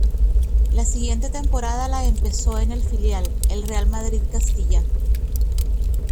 La siguiente temporada la empezó en el filial, el Real Madrid Castilla.